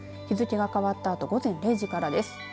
日付が変わったあと午前０時からです。